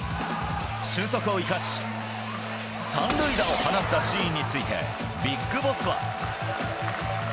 俊足を生かし３塁打を放ったシーンについてビッグボスは。